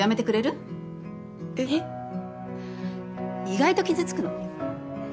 意外と傷つくの。